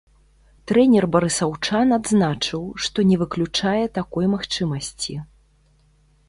Трэнер барысаўчан адзначыў, што не выключае такой магчымасці.